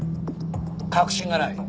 確信がない。